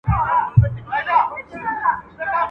د فرنګ پر کهاله ځکه شور ما شور سو.